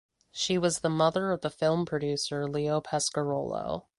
She was the mother of the film producer Leo Pescarolo.